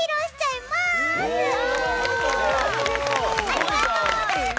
ありがとうございます！